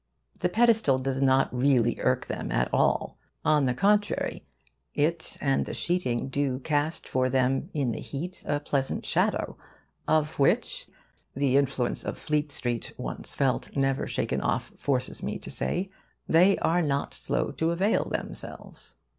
The pedestal does not really irk them at all. On the contrary, it and the sheeting do cast for them in the heat a pleasant shadow, of which (the influence of Fleet Street, once felt, never shaken off, forces me to say) they are not slow to avail themselves.